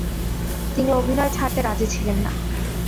তিনি অভিনয় ছাড়তে রাজী ছিলেন না।